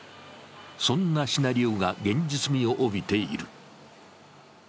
そんなシナリオが現実味を帯びている。